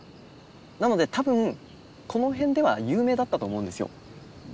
なので多分この辺では有名だったと思うんですよ。